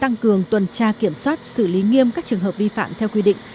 tăng cường tuần tra kiểm soát xử lý nghiêm các trường hợp vi phạm theo quy định